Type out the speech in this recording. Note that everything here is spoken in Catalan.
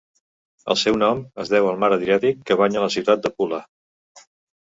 El seu nom es deu al mar Adriàtic que banya la ciutat de Pula.